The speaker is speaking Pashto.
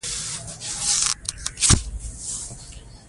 مېلې د ټولني د مثبت تصویر په جوړولو کښي مرسته کوي.